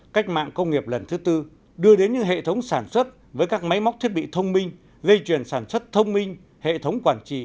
cách mạng công nghiệp lần thứ tư đưa đến những hệ thống sản xuất với các máy móc thiết bị thông minh dây chuyền sản xuất thông minh hệ thống quản trị